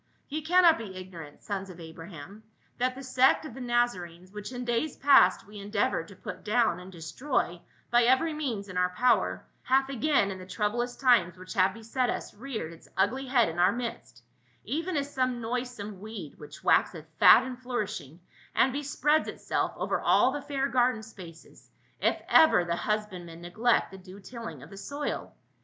Ye cannot be ignorant, sons of Abraham, that the sect of the Naza renes, which in days past we endeavored to put down and destroy by every means in our power, hath agam in the troublous times which have beset us reared its ugly head in our midst, even as some noisome weed which waxeth fat and flourishing and bespreads itself over all the fair garden spaces, if ever the husbandman neglect the due tilling of the soil.